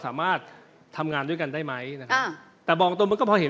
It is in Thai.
พูดอย่างนั้นไม่ได้นะครับ